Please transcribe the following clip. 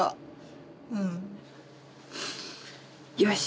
よし！